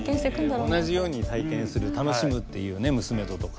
同じように体験する楽しむっていうね娘ととか。